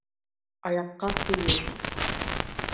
Аяҡҡа кейеү